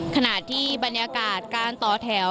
ขณะที่บรรยากาศการต่อแถว